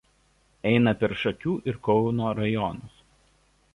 Eina per Šakių ir Kauno rajonus.